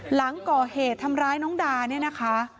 หลังก่อเหตุทำร้ายน้องดาเนี่ยนะคะ